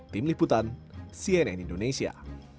tim liputan cnn indonesia